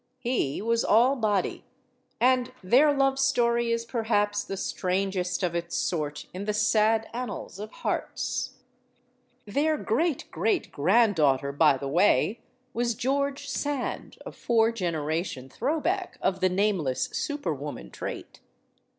He was all body. And their love story is, perhaps, the strangest of its sort in the sad annals of hearts. (Their great great granddaughter, by the way, was George Sand a four generation throwback of the nameless super woman trait.)